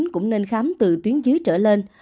cũng nên khám từ tuyến dưới trở lên